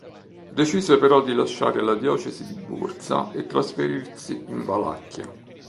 Decise però di lasciare la diocesi di Bursa e trasferirsi in Valacchia.